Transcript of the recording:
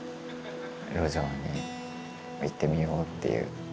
路上に行ってみようっていう。